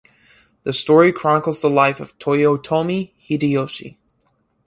The story chronicles the life of Toyotomi Hideyoshi.